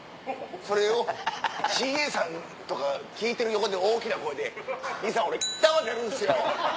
それをＣＡさんとか聞いてる横で大きな声で「兄さん俺玉出るんですよ！」。